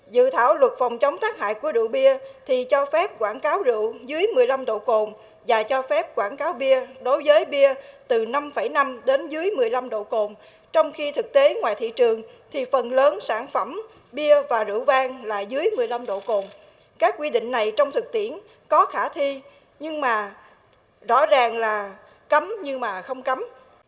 dự thảo luật phòng chống tắc hại của rượu bia thì cho phép quảng cáo rượu dưới một mươi năm độ cồn và cho phép quảng cáo bia đối với bia từ năm năm đến dưới một mươi năm độ cồn trong khi thực tế ngoài thị trường thì phần lớn sản phẩm bia và rượu vang là dưới một mươi năm độ cồn các quy định này trong thực tiễn có khả thi nhưng mà rõ ràng là cấm nhưng mà không cấm